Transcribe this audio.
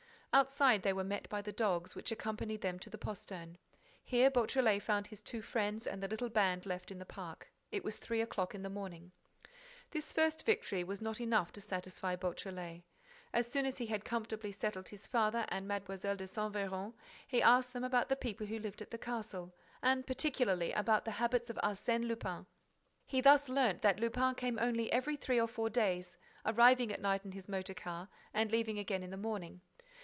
Outside, they were met by the dogs, which accompanied them to the postern. Here, Beautrelet found his two friends and the little band left the park. It was three o'clock in the morning. This first victory was not enough to satisfy Beautrelet. As soon as he had comfortably settled his father and Mlle. de Saint Véran, he asked them about the people who lived at the castle, and, particularly, about the habits of Arsène Lupin. He thus learnt that Lupin came only every three or four days, arriving at night in his motor car and leaving again in the morning.